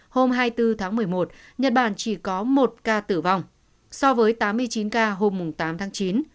hôm hai mươi bốn tháng một mươi một nhật bản chỉ có một ca tử vong so với tám mươi chín ca hôm tám tháng chín